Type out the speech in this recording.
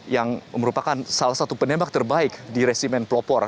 yang merupakan salah satu penembak terbaik di resimen pelopor